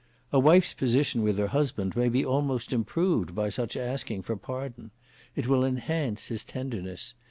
A wife's position with her husband may be almost improved by such asking for pardon. It will enhance his tenderness.